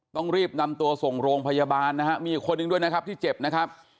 ต้องรีบนำตัวส่งโรงพยาบาลนะฮะมีอีกคนนึงด้วยนะครับที่เจ็บนะครับ